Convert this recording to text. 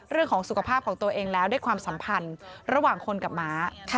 เรื่องของสุขภาพของตัวเองแล้วได้ความสัมพันธ์ระหว่างคนกับม้า